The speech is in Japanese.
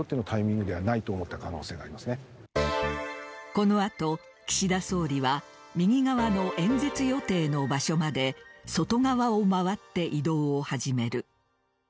この後、岸田総理は右側の演説予定の場所まで外側を回って移動を始める。